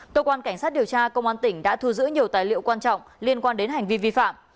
cơ quan cảnh sát điều tra công an tỉnh đã thu giữ nhiều tài liệu quan trọng liên quan đến hành vi vi phạm